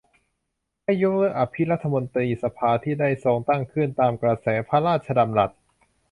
ให้ยกเลิกอภิรัฐมนตรีสภาที่ได้ทรงตั้งขึ้นตามกระแสพระราชดำรัส